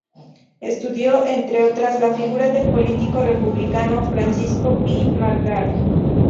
Estudió, entre otras, la figura del político republicano Francisco Pi y Margall.